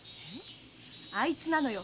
あいつなのよ。